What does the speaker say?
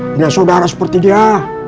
dengan saudara seperti dia